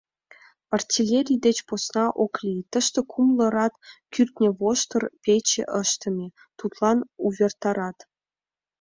Артиллерий деч посна ок лий: тыште кумло рат кӱртньывоштыр пече ыштыме — тудлан увертарат...